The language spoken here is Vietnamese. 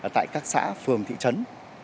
tại các xã phường thị trấn